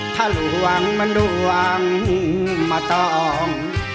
ถ้าหลวงมันดวงมาตอง